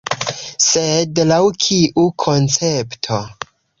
Sed laŭ kiu koncepto?